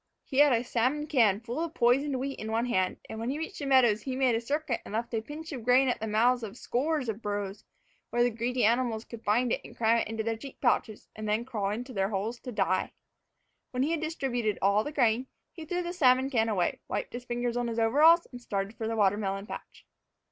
He had a salmon can full of poisoned wheat in one hand, and when he reached the meadow he made a circuit and left a pinch of grain at the mouths of a score of burrows, where the greedy animals could find it and cram it into their cheek pouches, and then crawl into their holes to die. When he had distributed all the grain, he threw the salmon can away, wiped his fingers on his overalls, and started for the watermelon patch.